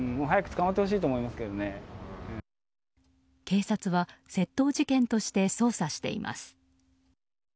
警察は窃盗事件として捜査しています。